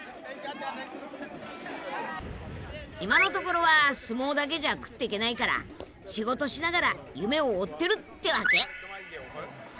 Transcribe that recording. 今のところは相撲だけじゃ食ってけないから仕事しながら夢を追ってるってわけ。